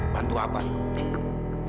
bantu apa om